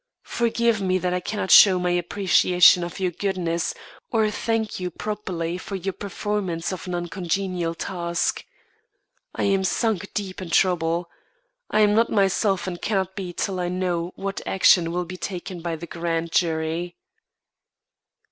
Forgive me that I cannot show my appreciation of your goodness, or thank you properly for your performance of an uncongenial task. I am sunk deep in trouble. I'm not myself and cannot be till I know what action will be taken by the grand jury."